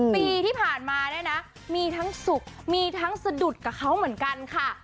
ปีที่ผ่านมาเนี่ยนะมีทั้งสุขมีทั้งสะดุดกับเขาเหมือนกันค่ะ